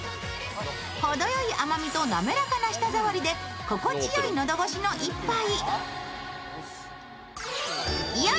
ほどよい甘みと滑らかな舌触りで心地よいのど越しの一杯。